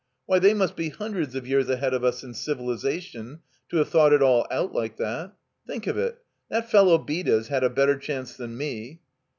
Why, they must be hundreds of years ahead of us in civilization, to have thought it all out Uke that. Think of it, that fellow Beda's had a better chance than me."